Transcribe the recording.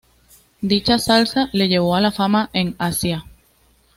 Dicha salsa le llevó a la fama en Asia.